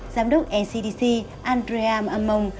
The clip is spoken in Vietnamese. giám đốc ncdc andrea mamadou